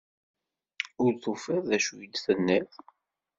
Ur tufiḍ d acu i d-tenniḍ.